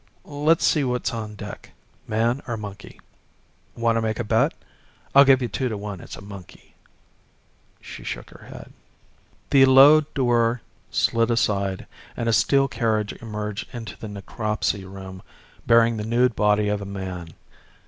"Let's see what's on deck man or monkey. Want to make a bet? I'll give you two to one it's a monkey." She shook her head. The low door slid aside and a steel carriage emerged into the necropsy room bearing the nude body of a man.